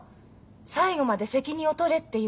最後まで責任を取れって言うの。